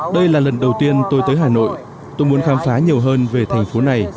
đây là lần đầu tiên tôi tới hà nội tôi muốn khám phá nhiều hơn về thành phố này